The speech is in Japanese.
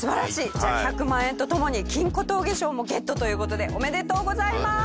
じゃあ１００万円とともに金小峠賞もゲットという事でおめでとうございます！